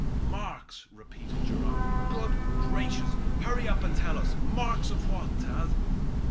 "Marks!" repeated Giraffe. "Good gracious! hurry up and tell us. Marks of what, Thad?"